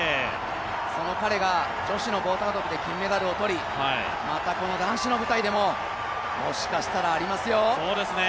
その彼が棒高跳で金メダルを取り、またこの男子の舞台でも、もしかしたらありますよ。